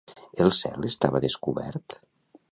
El cel estava descobert?